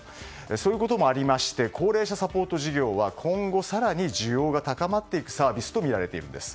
そういうこともありまして高齢者サポート事業は今後、更に需要が高まっていくサービスとみられているんです。